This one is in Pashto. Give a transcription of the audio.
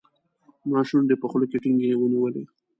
ما شونډې په خوله کې ټینګې ونیولې.